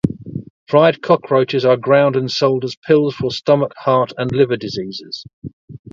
Fried cockroaches are ground and sold as pills for stomach, heart and liver diseases.